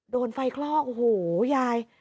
โดนไฟคลอกโอ้โหยาย